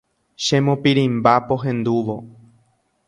Chemopirĩmba pohendúvo.